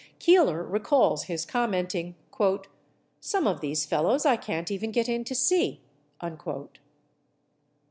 Keeler recalls his commenting, "Some of these fellows I can't even get in to see."